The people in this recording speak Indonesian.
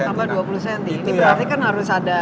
ini berarti kan harus ada